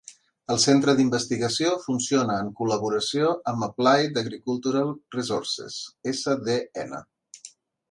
El centre d'investigació funciona en col·laboració amb Applied Agricultural Resources SDN.